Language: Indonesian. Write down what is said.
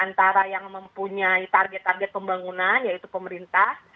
antara yang mempunyai target target pembangunan yaitu pemerintah